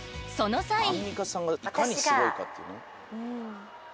［その際］